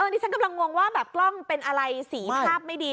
นี่ฉันกำลังงงว่าแบบกล้องเป็นอะไรสีภาพไม่ดี